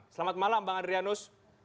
selamat malam bang adrianus